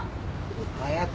早く。